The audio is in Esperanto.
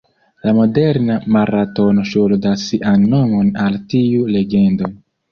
La moderna maratono ŝuldas sian nomon al tiu legendo.